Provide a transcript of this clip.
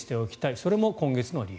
それも今月の理由。